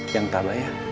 yang talah ya